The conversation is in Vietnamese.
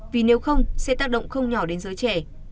vì nếu không sẽ tác động không nhỏ đến giới trẻ